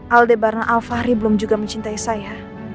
aldebarna alfahri belum juga mencintai saya